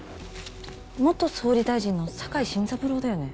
元総理大臣の酒井進三郎だよね？